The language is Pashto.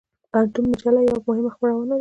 پښتون مجله یوه مهمه خپرونه وه.